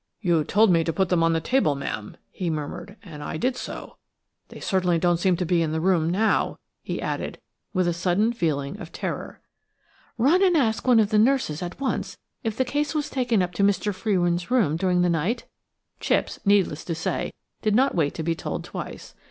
"You told me to put them on the table, ma'am," he murmured, "and I did so. They certainly don't seem to be in the room now–" he added, with a sudden feeling of terror. "Run and ask one of the nurses at once if the case was taken up to Mr. Frewin's room during the night?" Chipps, needless to say, did not wait to be told twice.